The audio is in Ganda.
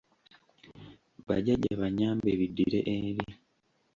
Bajjajja bannyambe biddire eri.